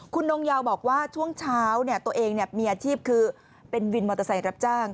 คุณนงยาวบอกว่าช่วงเช้าตัวเองมีอาชีพคือเป็นวินมอเตอร์ไซค์รับจ้าง